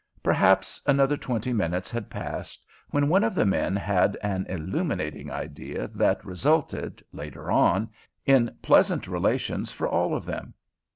Perhaps another twenty minutes had passed, when one of the men had an illuminating idea that resulted, later on, in pleasant relations for all of them.